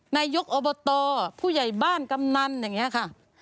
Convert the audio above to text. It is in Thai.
นายกอบตผู้ใหญ่บ้านกำนันอย่างนี้ค่ะ